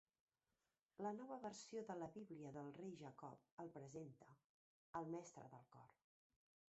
La Nova Versió de la Bíblia del Rei Jacob el presenta: al mestre del cor.